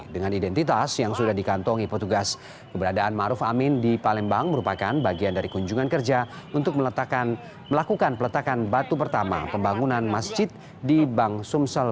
dengan identitas yang sudah dikantong hipotugas keberadaan maruf amin di palembang merupakan bagian dari kunjungan kerja untuk melakukan peletakan batu pertama pembangunan masjid di bangunan